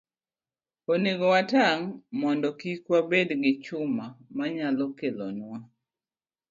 Onego watang' mondo kik wabed gi chuma manyalo kelonwa